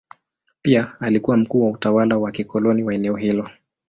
Pia alikuwa mkuu wa utawala wa kikoloni wa eneo hilo.